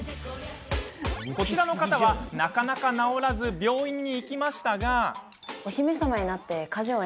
こちらの方は、なかなか治らず病院に行きましたが。